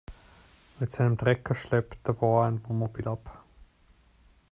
Mit seinem Trecker schleppt der Bauer ein Wohnmobil ab.